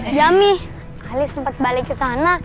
iya mie ali sempet balik kesana